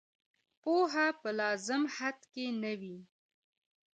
پوهه په لازم حد کې نه وي.